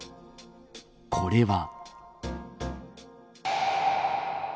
これは。